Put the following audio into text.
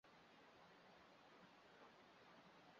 匈牙利的最高峰凯凯什峰属于该山脉。